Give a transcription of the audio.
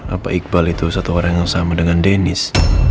apa iqbal itu satu orang yang sama dengan dennis